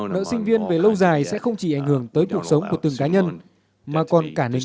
nợ sinh viên về lâu dài sẽ không chỉ ảnh hưởng tới cuộc sống của từng cá nhân mà còn cả nền kinh tế mỹ nữa